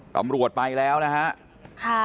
ตำรวจไปแล้วนะฮะ